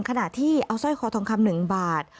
ขณะที่เอาสร้อยคอทองคำ๑บาท